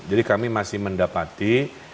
jadi kami masih mendapati